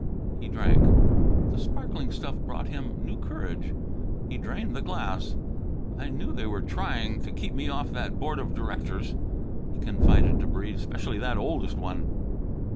He drank. The sparkling stuff brought him new courage. He drained the glass. "I knew they were trying to keep me off that board of directors," he confided to Breede, "specially that oldest one."